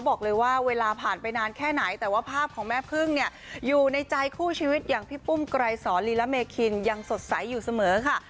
เบลาผ่านไปนานแค่ไหนแต่ว่าภาพของแม่พึ่งอยู่ในใจคู่ชีวิตแบบพี่ปุ้มไกรศรีละเมฆินยังสดใสอยู่เสมอค่ะ